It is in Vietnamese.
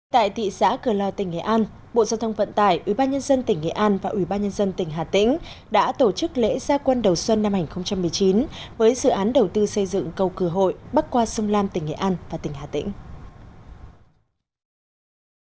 tại thị xã cửa lò tỉnh nghệ an bộ giao thông vận tải ubnd tỉnh nghệ an và ủy ban nhân dân tỉnh hà tĩnh đã tổ chức lễ gia quân đầu xuân năm hai nghìn một mươi chín với dự án đầu tư xây dựng cầu cửa hội bắc qua sông lam tỉnh nghệ an và tỉnh hà tĩnh